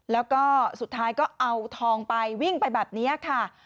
แล้วก็สุดท้ายก็เอาทองไปวิ่งไปแบบนี้ค่ะ